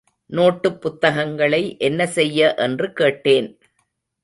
நோட்டுப் புத்தகங்களை என்ன செய்ய என்று கேட்டேன்.